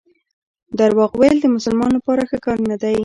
درواغ ویل د مسلمان لپاره ښه کار نه دی.